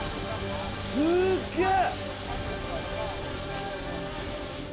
すっげえ。